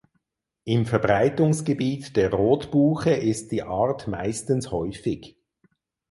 Im Verbreitungsgebiet der Rotbuche ist die Art meistens häufig.